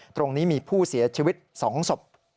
ตรงนี้มีผู้เสียชีวิต๒ศพ